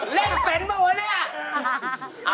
เล่นเป็นหรือไง